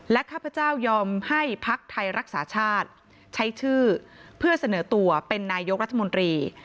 ข้าพเจ้ายอมให้ภักดิ์ไทยรักษาชาติใช้ชื่อเพื่อเสนอตัวเป็นนายกรัฐมนตรี